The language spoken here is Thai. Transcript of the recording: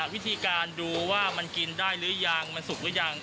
วิธีการดูว่ามันกินได้หรือยังมันสุกหรือยัง